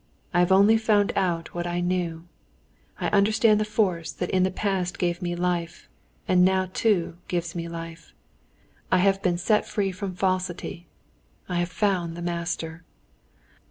I have only found out what I knew. I understand the force that in the past gave me life, and now too gives me life. I have been set free from falsity, I have found the Master.